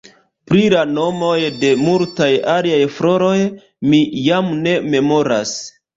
Pri la nomoj de multaj aliaj floroj mi jam ne memoras.